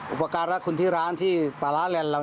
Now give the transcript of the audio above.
อุปการณ์รักของร้านที่ปาร์ล้าแรนร์เรา